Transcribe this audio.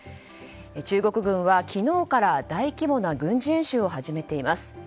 中国軍は昨日から大規模な軍事演習を始めています。